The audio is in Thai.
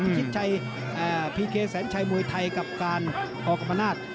พิชิตชัยเอ่อพีเคแสนชัยมวยไทยกับการออกประนาจ